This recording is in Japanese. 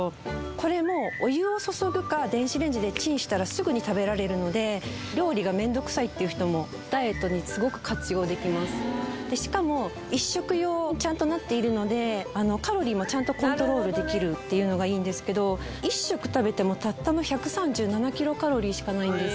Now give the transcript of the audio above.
これもお湯を注ぐか電子レンジでチンしたらすぐに食べられるので料理がめんどくさいっていう人もダイエットにすごく活用できますでしかも１食用にちゃんとなっているのでカロリーもちゃんとコントロールできるっていうのがいいんですけど１食食べてもたったの１３７キロカロリーしかないんです